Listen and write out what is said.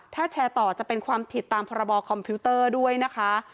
ถ้าแชร์ต่อจะเป็นความผิดตามพรบคอมพิวเตอร์ด้วยนะคะ